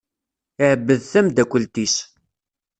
Iεebbeḍ tamdakelt-is.